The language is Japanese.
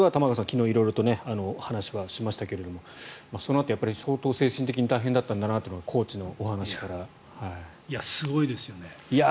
昨日、色々と話はしましたがそのあと相当、精神的に大変だったんだなというのがすごいですよね。